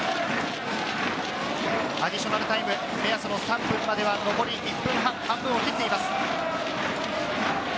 アディショナルタイム、目安の３分までは残り１分半を切っています。